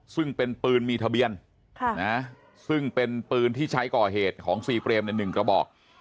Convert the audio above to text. ซึ่งเป็นปืนมีทะเบียนซึ่งเป็นปืนที่ใช้ก่อเหตุของซีเปรมใน๑กระบอก